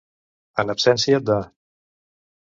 En absència de.